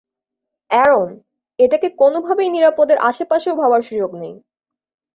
Aaron, এটাকে কোনোভাবেই নিরাপদের আশেপাশেও ভাবার সুযোগ নেই।